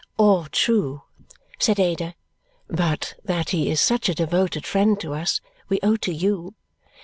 "All true," said Ada, "but that he is such a devoted friend to us we owe to you."